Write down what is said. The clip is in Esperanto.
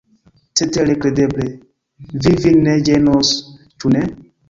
Cetere, kredeble, vi vin ne ĝenos, ĉu ne?